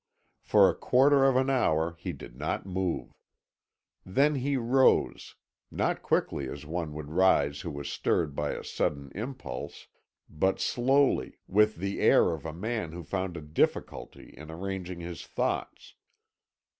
For a quarter of an hour he did not move. Then he rose not quickly, as one would rise who was stirred by a sudden impulse, but slowly, with the air of a man who found a difficulty in arranging his thoughts.